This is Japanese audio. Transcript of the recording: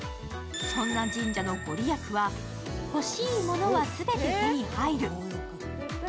そんな神社のご利益は、「欲しいものは全て手に入る」。